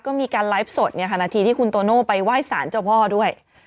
ก็มีการไลฟ์สดนาทีที่คุณโตโน่ไปไหว้สารเจ้าพ่อด้วย